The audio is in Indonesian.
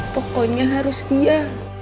pokoknya harus dia